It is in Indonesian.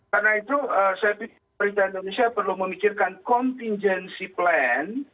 karena itu saya pikir perintah indonesia perlu memikirkan contingency plan